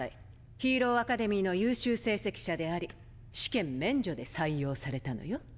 ヒーローアカデミーの優秀成績者であり試験免除で採用されたのよ。